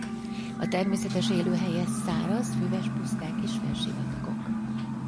A természetes élőhelye száraz füves puszták és félsivatagok.